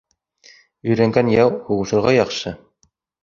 Өйрәнгән яу һуғышырға яҡшы.